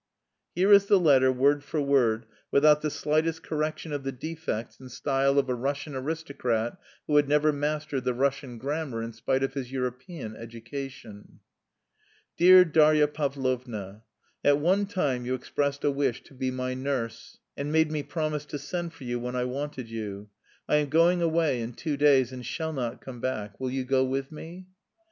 Here is the letter word for word, without the slightest correction of the defects in style of a Russian aristocrat who had never mastered the Russian grammar in spite of his European education. "Dear Darya Pavlovna, At one time you expressed a wish to be my nurse and made me promise to send for you when I wanted you. I am going away in two days and shall not come back. Will you go with me?